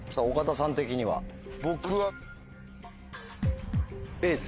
僕は。